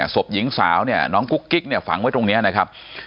ศพหญิงสาวน้องกุ๊กกิ๊กฝังไว้ตรงนี้นะครับ